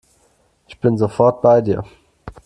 Ich bin sofort bei dir.